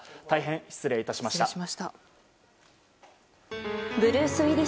大変失礼致しました。